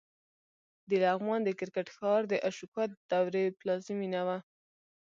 د لغمان د کرکټ ښار د اشوکا د دورې پلازمېنه وه